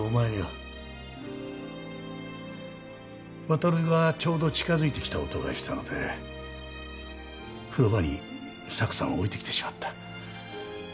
渉がちょうど近づいてきた音がしたので風呂場にサクさんを置いてきてしまった。